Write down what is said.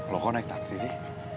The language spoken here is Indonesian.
loh kok naik taksi sih